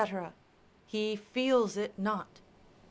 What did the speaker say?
he feels it not.